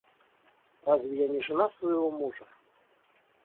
Разве я не жена своего мужа?